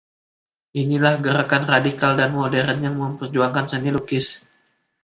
Inilah gerakan radikal dan modern yang memperjuangkan seni lukis.